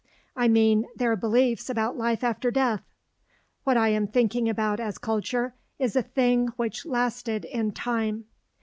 I mean their beliefs about life after death. What I am thinking about as culture is a thing which lasted in time.